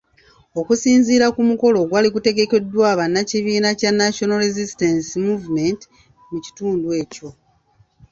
Okusinziira ku mukolo ogwali gutegekeddwa bannakibiina kya National Resistance Movement mu kitundu ekyo.